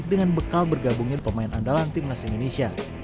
dengan bekal bergabungin pemain andalan tim nasi indonesia